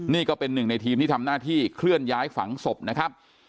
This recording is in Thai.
นี่ก็เป็นหนึ่งในทีมที่ทำหน้าที่เคลื่อนย้ายฝังศพนะครับ